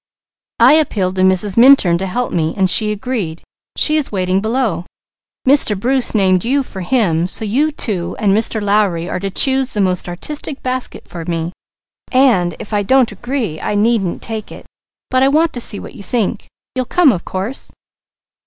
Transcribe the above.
I appealed to Mrs. Minturn to help me, and she agreed; she is waiting below. Mr. Bruce named you for him; so you two and Mr. Lowry are to choose the most artistic basket for me, then if I don't agree, I needn't take it, but I want to see what you think. You'll come of course?"